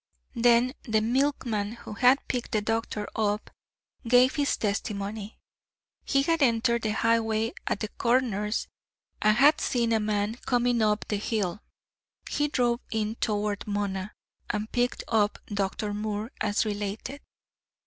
Then the milkman, who had picked the doctor up, gave his testimony. He had entered the highway at the Corners and had seen a man coming up the hill. He drove in toward Mona, and picked up Dr. Moore, as related.